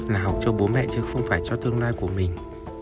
là học cho bố mẹ chứ không phải cho tương lai của mình